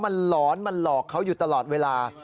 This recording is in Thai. มันหลอนมันหลอกเขาอยู่ตลอดเวลา